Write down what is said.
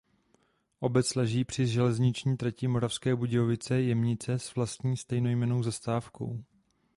Obec leží při železniční trati Moravské Budějovice–Jemnice s vlastní stejnojmennou zastávkou.